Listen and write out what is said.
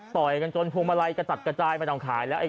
ต่อยกันจนพวงมาลัยกระจัดกระจายไม่ต้องขายแล้ว